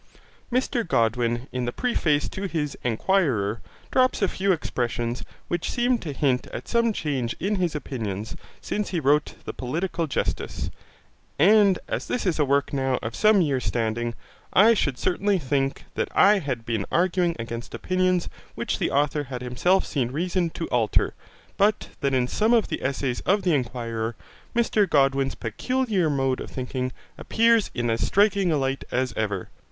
Mr Godwin in the preface to his Enquirer, drops a few expressions which seem to hint at some change in his opinions since he wrote the Political Justice; and as this is a work now of some years standing, I should certainly think that I had been arguing against opinions which the author had himself seen reason to alter, but that in some of the essays of the Enquirer, Mr Godwin's peculiar mode of thinking appears in as striking a light as ever.